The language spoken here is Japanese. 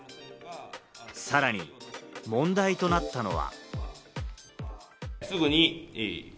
さらに問題となったのは。